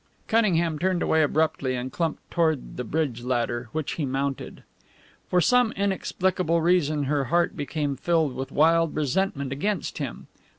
Cunningham turned away abruptly and clumped toward the bridge ladder, which he mounted. For some inexplicable reason her heart became filled with wild resentment against him.